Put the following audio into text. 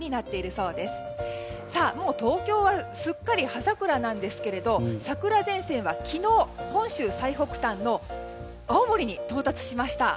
もう東京はすっかり葉桜なんですけれど桜前線は昨日本州最北端の青森に到達しました。